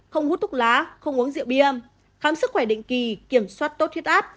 không hút túc lá không uống rượu bia khám sức khỏe định kỳ kiểm soát tốt thiết áp